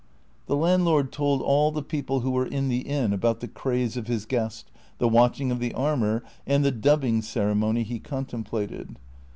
The landlord told all the people who were in the inn about the craze of his guest, the watching of the armor, and the did> bing ceremony he contemi)lated.